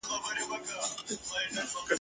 د ګلونو په بستر کي د خزان کیسه کومه ..